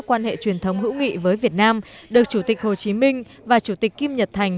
quan hệ truyền thống hữu nghị với việt nam được chủ tịch hồ chí minh và chủ tịch kim nhật thành